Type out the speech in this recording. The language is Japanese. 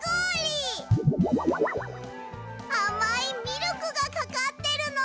あまいミルクがかかってるの！